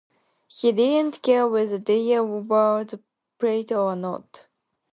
He didn't care whether they were over the plate or not.